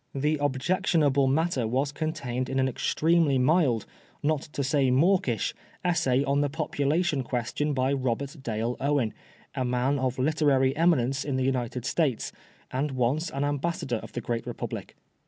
The objection able matter was contained in an extremely mild, not to say mawkish, essay on the population question by Robert Dale Owen, a man of literary eminence in the United States, and once an ambassador of the great Republic.